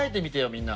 みんな。